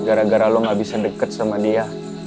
gara gara lo gak bisa deket sama dia